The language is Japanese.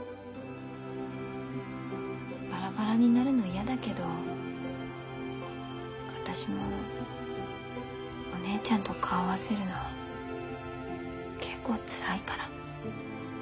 バラバラになるの嫌だけど私もお姉ちゃんと顔合わせるの結構つらいから。